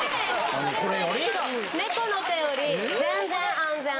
そう猫の手より全然安全。